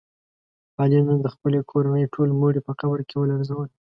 علي نن د خپلې کورنۍ ټول مړي په قبر کې ولړزول.